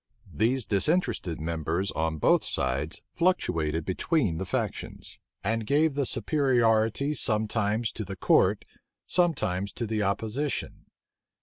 These disinterested members on both sides fluctuated between the factions; and gave the superiority sometimes to the court, sometimes to the opposition.